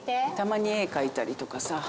たまに絵描いたりとかさ。